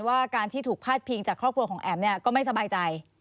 ว่าการที่ถูกพาดพิงจากครอบครัวของแอ๋มเนี่ยก็ไม่สบายใจ